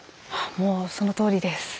もうそのとおりです。